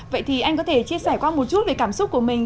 vậy thì anh có thể chia sẻ qua một chút về cảm xúc của mình